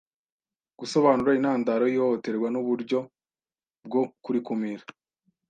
Gusobanura intandaro y’ihohoterwa n’uburyo bwo kurikumira